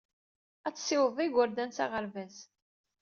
Ad tessiwḍeḍ igerdan s aɣerbaz.